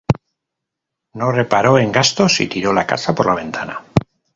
No reparó en gastos y tiró la casa por la ventana